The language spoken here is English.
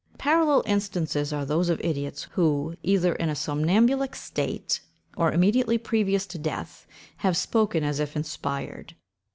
Parallel instances are those of idiots, who, either in a somnambulic state, or immediately previous to death, have spoken as if inspired.